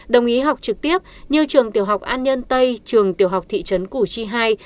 đồng ý học trực tiếp như trường tiểu học an nhân tây trường tiểu học thị trấn củ chi hai